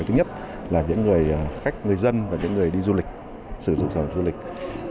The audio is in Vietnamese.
thứ nhất là những người khách người dân và những người đi du lịch sử dụng sản phẩm du lịch